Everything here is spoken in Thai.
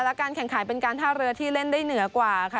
และการแข่งขันเป็นการท่าเรือที่เล่นได้เหนือกว่าค่ะ